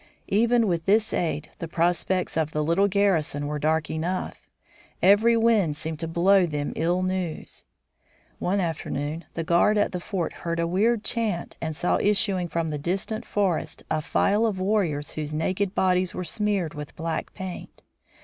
Even with this aid the prospects of the little garrison were dark enough. Every wind seemed to blow them ill news. One afternoon the guard at the fort heard a weird chant and saw issuing from the distant forest a file of warriors whose naked bodies were smeared with black paint.